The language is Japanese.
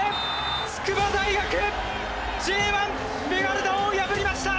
筑波大学Ｊ１ベガルタを破りました！